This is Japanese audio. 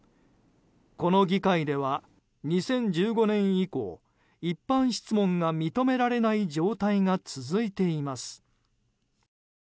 この議会では２０１５年以降一般質問が認められない状態が続いています。